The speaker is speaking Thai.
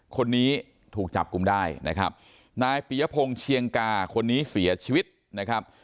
คนนี้ถูกจับกลุ่มได้นะครับนายปียพงศ์เชียงกาคนนี้เสียชีวิตนะครับ